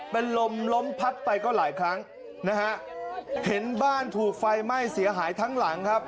เป็นลมล้มพัดไปก็หลายครั้งนะฮะเห็นบ้านถูกไฟไหม้เสียหายทั้งหลังครับ